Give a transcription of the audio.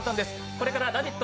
これから「ラヴィット！」